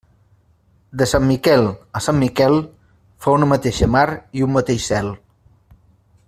De sant Miquel a sant Miquel fa una mateixa mar i un mateix cel.